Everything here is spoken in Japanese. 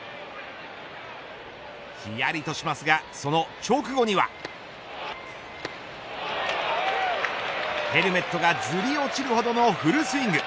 ひやりとしますがその直後には。ヘルメットがずり落ちるほどのフルスイング。